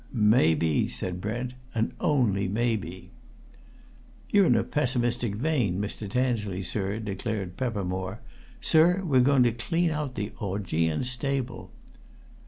"Maybe!" said Brent. "And only maybe!" "You're in a pessimistic vein, Mr. Tansley, sir," declared Peppermore. "Sir, we're going to clean out the Augean stable!"